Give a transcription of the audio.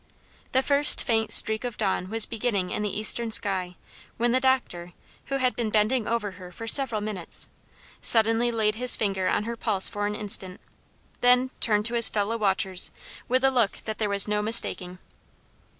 The first faint streak of dawn was beginning in the eastern sky when the doctor, who had been bending over her for several minutes, suddenly laid his finger on her pulse for an instant; then turned to his fellow watchers with a look that there was no mistaking.